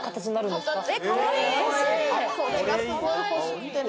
それがすごい欲しくてね。